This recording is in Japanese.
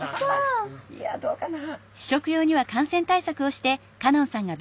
いやどうかな？